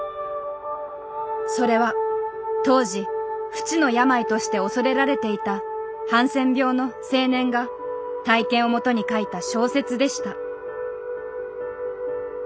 それは当時不治の病として恐れられていたハンセン病の青年が体験をもとに書いた小説でした。